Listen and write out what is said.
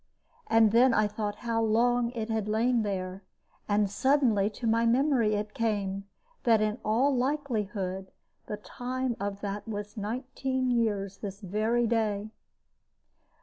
And then I thought how long it had lain there; and suddenly to my memory it came, that in all likelihood the time of that was nineteen years this very day.